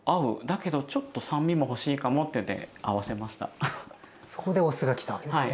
じゃあと思ってそこでお酢が来たわけですね。